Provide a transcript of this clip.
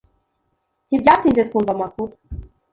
Ntibyatinze twumva amakuru.